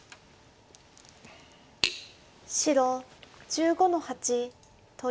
白１５の八取り。